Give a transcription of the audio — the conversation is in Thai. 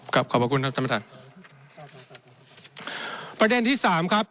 ขอบพระคุณครับท่านประธานครับประเด็นที่สามครับ